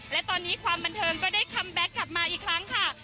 และตอนนี้ความบันเทิงก็ได้คัมแบ็คกลับมาอีกครั้งค่ะ